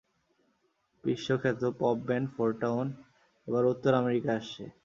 বিশ্বখ্যাত pop band Fourtown, এবার উত্তর আমেরিকায় আসছে।